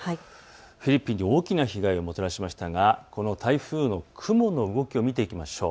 フィリピンで大きな被害をもたらしましたが、この台風の雲の動きを見ていきましょう。